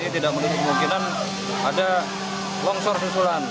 jadi tidak menunggu kemungkinan ada longsor susulan